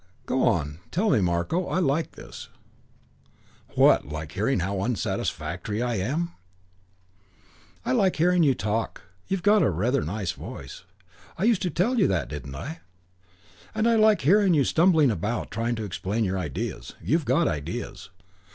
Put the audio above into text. "Go on; tell me, Marko. I like this." "What, like hearing how unsatisfactory I am?" "I like hearing you talk. You've got rather a nice voice I used to tell you that, didn't I? and I like hearing you stumbling about trying to explain your ideas. You've got ideas.